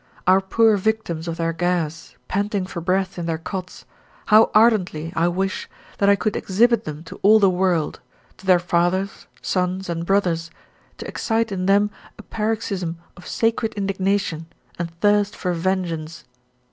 Our poor victims of their gas, panting for breath in their cots, how ardently I wish that I could exhibit them to all the world, to their fathers, sons, and brothers, to excite in them a paroxysm of sacred indignation and thirst for vengeance.